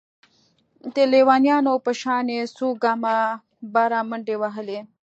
د ليونيانو په شان يې څو ګامه بره منډې وهلې.